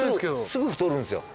すぐ太るんですよ。